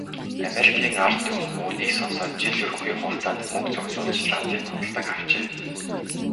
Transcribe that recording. Америкийн ард түмэн үүнийг сонсоод жил хүрэхгүй хугацаанд мөнгө цуглуулж, радийг худалдан авчээ.